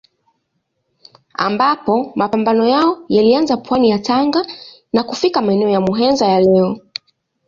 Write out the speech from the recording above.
Ambapo mapambano yao yalianza pwani ya Tanga na kufika maeneo ya Muheza ya leo.